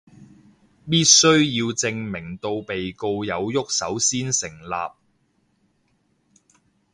必須要證明到被告有郁手先成立